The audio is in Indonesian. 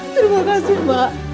terima kasih pak